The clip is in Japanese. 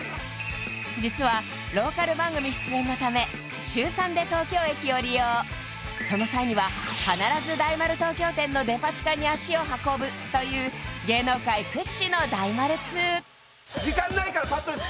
実はローカル番組出演のため週３で東京駅を利用その際には必ず大丸東京店のデパ地下に足を運ぶという芸能界屈指の大丸通時間ないからパッとです